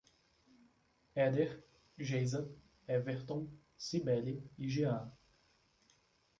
Eder, Geisa, Everton, Cibele e Jean